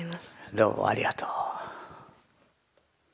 どうもありがとう。